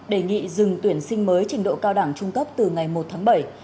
đề nghị dừng tuyển sinh mới trình độ cao đẳng trung cấp từ ngày một tháng bảy